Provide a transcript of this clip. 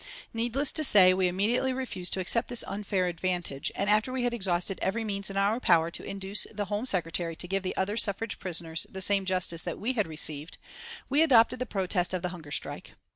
Needless to say, we immediately refused to accept this unfair advantage, and after we had exhausted every means in our power to induce the Home Secretary to give the other suffrage prisoners the same justice that we had received, we adopted the protest of the hunger strike.